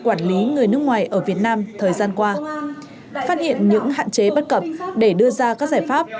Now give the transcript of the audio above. quản lý người nước ngoài ở việt nam thời gian qua phát hiện những hạn chế bất cập để đưa ra các giải pháp